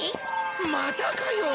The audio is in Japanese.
またかよ？